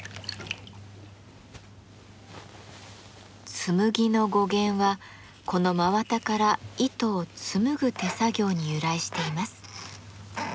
「紬」の語源はこの真綿から糸を紡ぐ手作業に由来しています。